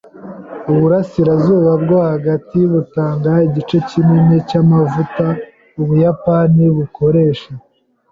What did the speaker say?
Uburasirazuba bwo hagati butanga igice kinini cyamavuta Ubuyapani bukoresha.